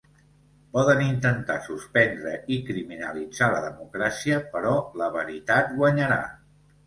Poden intentar suspendre i criminalitzar la democràcia, però la veritat guanyarà.